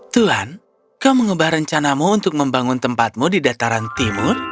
tuan kau mengembah rencanamu untuk membangun tempatmu di dataran timur